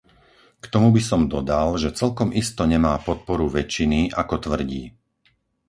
K tomu by som dodal, že celkom isto nemá podporu väčšiny, ako tvrdí.